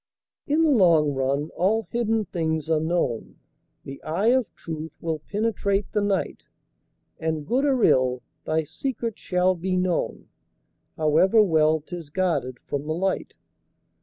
In the long run all hidden things are known, The eye of truth will penetrate the night, And good or ill, thy secret shall be known, However well 'tis guarded from the light.